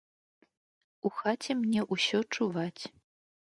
У хаце мне ўсё чуваць.